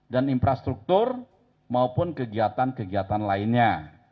dan infrastruktur maupun kegiatan kegiatan lainnya